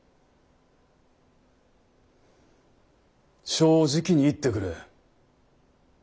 正直に言ってくれ。